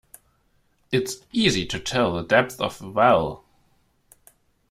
It's easy to tell the depth of a well.